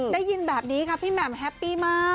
ได้ยินแบบนี้ค่ะพี่แหม่มแฮปปี้มาก